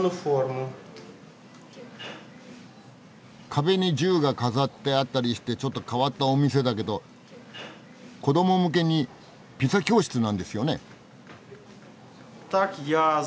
壁に銃が飾ってあったりしてちょっと変わったお店だけど子ども向けにピザ教室なんですよね？